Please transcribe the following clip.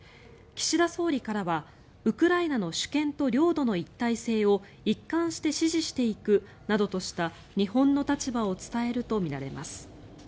岸田総理からはウクライナの主権と領土の一体性を一貫して支持していくなどとした日本の立場を伝えるとみられます。